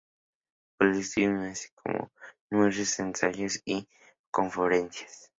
Politics for the Information Age", así como de numerosos ensayos y conferencias.